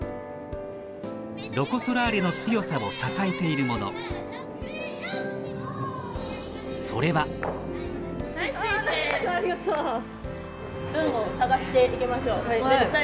ロコ・ソラーレの強さを支えているものそれはありがとう。